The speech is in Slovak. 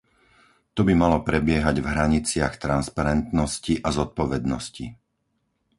To by malo prebiehať v hraniciach transparentnosti a zodpovednosti.